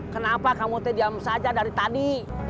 kenapa kamu tidak diam saja dari tadi